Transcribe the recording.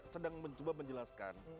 sedang mencoba menjelaskan